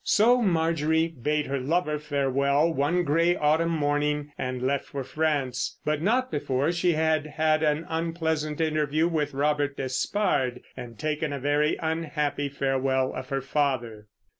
So Marjorie bade her lover farewell one grey autumn morning and left for France—but not before she had had an unpleasant interview with Robert Despard and taken a very unhappy farewell of her father.